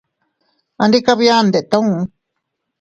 Andi kabia ndeeootuu.